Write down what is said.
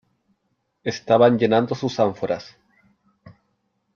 estaban llenando sus ánforas .